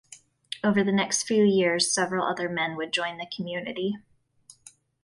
Over the next few years several other men would join the community.